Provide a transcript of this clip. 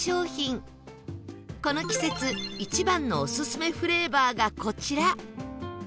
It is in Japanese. この季節一番のオススメフレーバーがこちら